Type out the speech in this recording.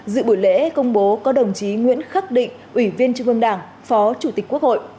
dự buổi lễ công bố có đồng chí nguyễn khắc định ủy viên trung ương đảng phó chủ tịch quốc hội